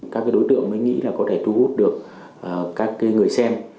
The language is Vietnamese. các đối tượng mới nghĩ là có thể thu hút được các người xem